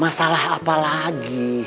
masalah apa lagi